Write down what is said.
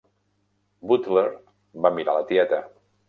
Butler va mirar la tieta.